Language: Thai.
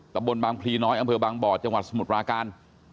ตำบลบางพลีน้อยอำเภอบางบ่อจังหวัดสมุทรปราการ